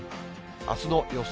あすの予想